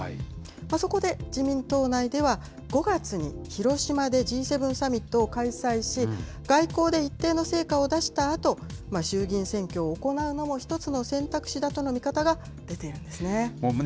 そこで自民党内では、５月に広島でＧ７サミットを開催し、外交で一定の成果を出したあと、衆議院選挙を行うのも１つの選択肢だとの見方が出ているんですね。